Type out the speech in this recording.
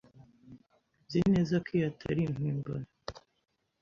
Nzi neza ko iyi atari impimbano.